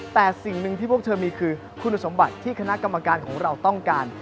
แต่สิ่งหนึ่งที่พวกเธอมีคือคุณสมบัติที่คณะกรรมการของเราต้องการ